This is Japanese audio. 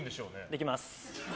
できます。